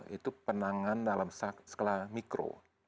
itu penanganan dalam skala mikro